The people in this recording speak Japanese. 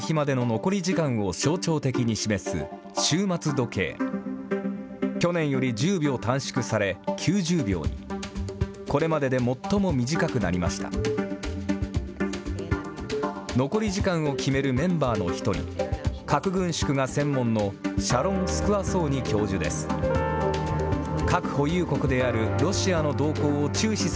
残り時間を決めるメンバーの１人、核軍縮が専門のシャロン・スクアソーニ教授です。